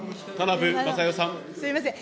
すみません。